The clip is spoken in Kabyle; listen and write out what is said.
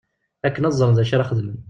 Akken ad ẓren d acu ara xedmen.